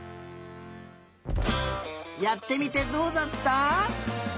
やってみてどうだった？